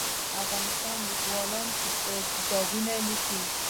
د افغانستان لیکوالان کتابونه لیکي